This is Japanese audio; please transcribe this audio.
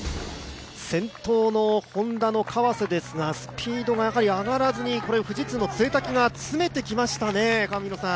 先頭のＨｏｎｄａの川瀬ですがスピードが上がらずに富士通の潰滝が詰めてきましたね。